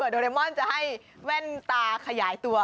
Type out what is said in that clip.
โดเรมอนจะให้แว่นตาขยายตัว